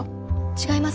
違います。